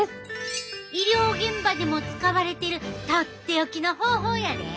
医療現場でも使われてる取って置きの方法やで。